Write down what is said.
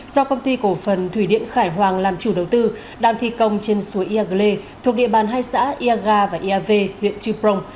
do công ty cổ phần thủy điện khải hoàng làm chủ đầu tư đàn thi công trên suối iagle thuộc địa bàn hai xã iaga và iave huyện chuprong